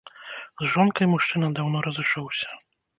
З жонкай мужчына даўно разышоўся.